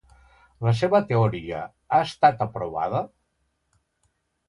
La seva teoria ha estat aprovada?